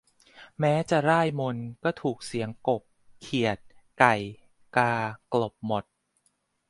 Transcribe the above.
แม้จะร่ายมนต์ ก็ถูกเสียงกบ เขียด ไก่ กา กลบหมด